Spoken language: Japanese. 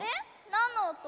なんのおと？